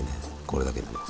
これだけでも。